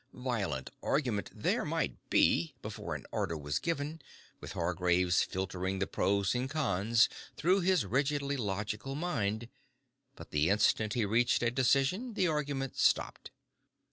Violent argument there might be, before an order was given, with Hargraves filtering the pros and cons through his rigidly logical mind, but the instant he reached a decision the argument stopped.